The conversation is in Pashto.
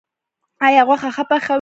ایا غوښه ښه پخوئ؟